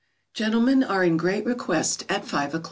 _ Gentlemen are in great request at five o'clock tea.